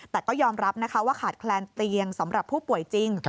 แต่ก็ยอมรับนะคะว่าขาดแคลนเตียงสำหรับผู้ป่วยจริง